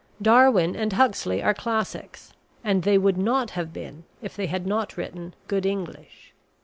Darwin and Huxley are classics, and they would not have been if they had not written good English.